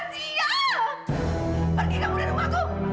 pergi kamu tidak mudah menemukan aku